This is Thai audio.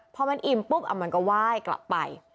พอมันอิ่มปุ๊บมันก็ไหว้กลับไป